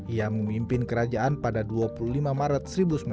ia memimpin kerajaan pada dua puluh lima maret seribu sembilan ratus empat puluh